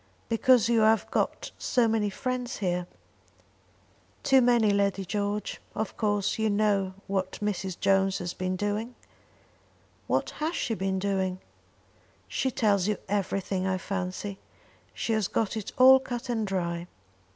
"Because you have got so many friends here." "Too many, Lady George. Of course you know what Mrs. Jones has been doing?" "What has she been doing?" "She tells you everything, I fancy. She has got it all cut and dry.